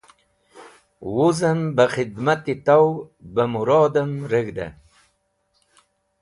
Wuzem beh khidmat-e taw be murodem reg̃he.